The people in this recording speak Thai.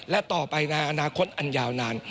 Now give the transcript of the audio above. และต่อไปในอนาคตอันยาวนาน